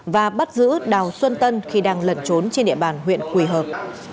và bắt giữ đào xuân tân khi đang lẩn trốn trên địa bàn huyện quỳ hợp